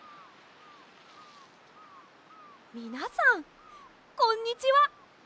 みなさんこんにちは。